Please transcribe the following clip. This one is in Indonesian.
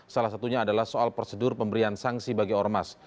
salah satunya adalah soal prosedur pemberian sanksi bagi ormas